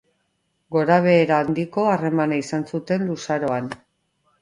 Gorabehera handiko harremana izan zuten luzaroan.